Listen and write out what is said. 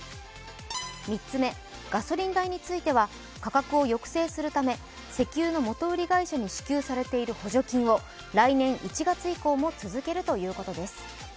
３つ目、ガソリン代については、価格を抑制するため、石油の元売り会社に支給されている補助金を、来年１月以降も、続けるということです。